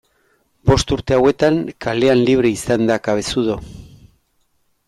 Bost urte hauetan kalean libre izan da Cabezudo.